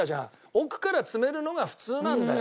奥から詰めるのが普通なんだよ。